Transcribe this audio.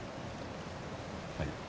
はい。